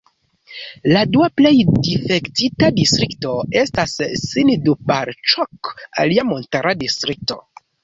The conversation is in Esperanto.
La dua plej difektita distrikto estas Sindupalĉok, alia montara distrikto.